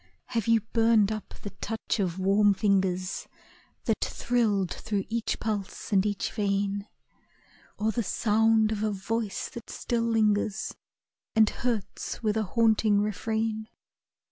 Have you burned up the touch of warm fingers That thrilled through each pulse and each vein, Or the sound of a voice that still lingers And hurts with a haunting refrain?